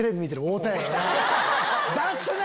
「出すな！」。